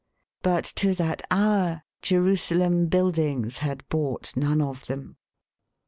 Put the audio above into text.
But, to that hour, Jerusalem Buildings had bought none of them.